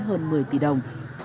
hơn một mươi tỷ đồng